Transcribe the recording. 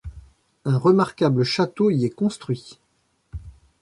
Un remarquable château y est construit.